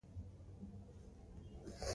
دوهم پوځ د ټګلیامنتو شاته د بیا راټولېدو.